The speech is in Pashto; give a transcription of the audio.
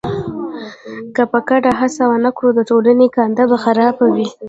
که په ګډه هڅه ونه کړو د ټولو ګانده به خرابه وي.